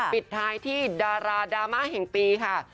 ปิดท้ายที่ดาราดราม่าแห่งปีค่ะ